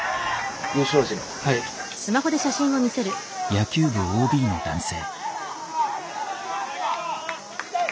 野球部ＯＢの男性。